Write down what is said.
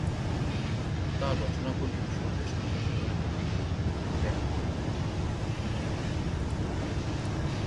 তাঁর রচনাগুলি স্বদেশ ও জনগণের প্রতি প্রেমপূর্ণ।